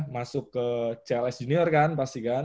masuk ke cls junior kan pasti kan